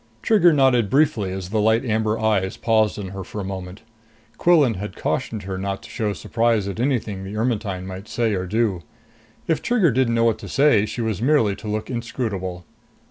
Trigger nodded briefly as the light amber eyes paused on her for a moment. Quillan had cautioned her not to show surprise at anything the Ermetyne might say or do. If Trigger didn't know what to say herself, she was merely to look inscrutable.